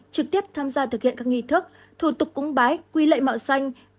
trực tiếp tham gia thực hiện các nghi thức thủ tục cúng bái quy lệ mạo xanh